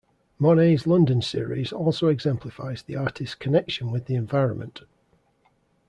Monet's London Series also exemplifies the artist's connection with the environment.